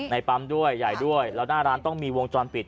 ในปั๊มด้วยใหญ่ด้วยแล้วหน้าร้านต้องมีวงจรปิด